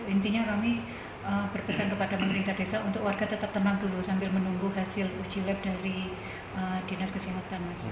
intinya kami berpesan kepada pemerintah desa untuk warga tetap tenang dulu sambil menunggu hasil uji lab dari dinas kesehatan